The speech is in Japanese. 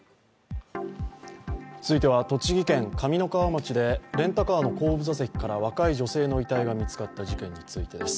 続いては、栃木県上三川町でレンタカーの後部座席から若い女性の遺体が見つかった事件についてです